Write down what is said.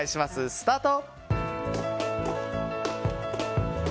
スタート！